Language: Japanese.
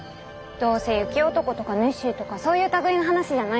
どうせ雪男とかネッシーとかそういう類いの話じゃないの？